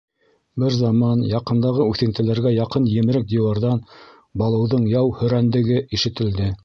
Бер заман яҡындағы үҫентеләргә яҡын емерек диуарҙан Балуҙың яу һөрәндәге ишетелде.